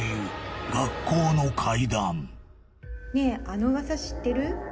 あの噂知ってる？